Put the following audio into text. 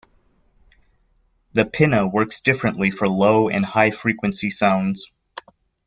The pinna works differently for low and high frequency sounds.